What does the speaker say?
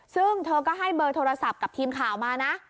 ซึ่งเธอก็ให้เบอร์โทรศัพท์กับทีมข่าวมานะ